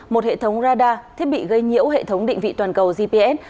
một hệ thống radar thiết bị gây nhiễu hệ thống định vị toàn cầu gps